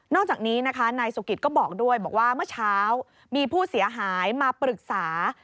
จากนี้นะคะนายสุกิตก็บอกด้วยบอกว่าเมื่อเช้ามีผู้เสียหายมาปรึกษา